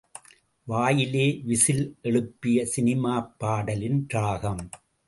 வாயிலே விசில் எழுப்பிய சினிமாப் பாடலின் ராகம்.